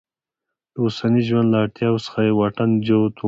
له اوسني ژوند له اړتیاوو څخه یې واټن جوت و.